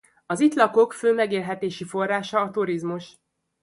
Az itt lakók fő megélhetési forrása a turizmus.